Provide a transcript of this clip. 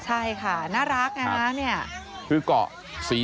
ใช่ค่ะน่ารักนะนี่